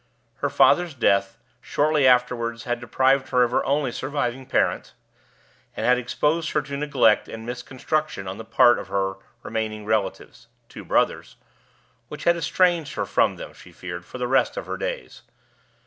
Her father's death, shortly afterward, had deprived her of her only surviving parent, and had exposed her to neglect and misconstruction on the part of her remaining relatives (two brothers), which had estranged her from them, she feared, for the rest of her days.